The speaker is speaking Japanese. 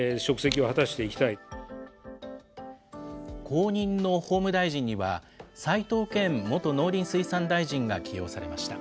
後任の法務大臣には、齋藤健元農林水産大臣が起用されました。